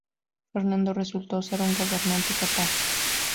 Fernando resultó ser un gobernante capaz.